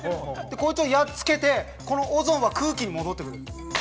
こいつをやっつけてこのオゾンは空気に戻って。